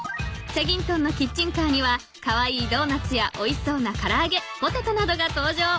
チャギントンのキッチンカーにはカワイイドーナツやおいしそうなからあげポテトなどが登場。